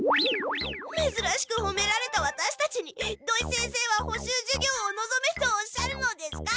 めずらしくほめられたワタシたちに土井先生は補習授業をのぞめとおっしゃるのですか？